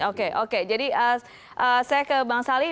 oke oke jadi saya ke bang sali